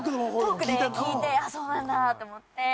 トークで聞いてそうなんだって思って。